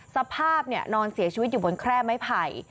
สภาพนอนเสียชีวิตอยู่บนแคร่ไม้ไผ่